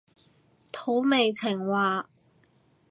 土味情話